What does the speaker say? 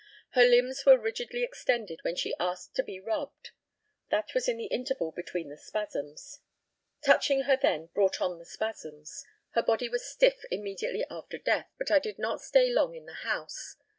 Her limbs were rigidly extended when she asked to be rubbed. That was in the interval between the spasms. Touching her then brought on the spasms. Her body was stiff immediately after death, but I did not stay long in the house.